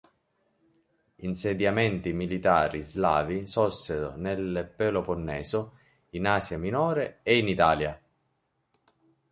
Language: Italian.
Insediamenti militari slavi sorsero nel Peloponneso, in Asia Minore e in Italia.